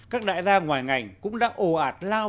các đại gia ngoài ngành cũng đã ồ ạt lao vào cuộc chiến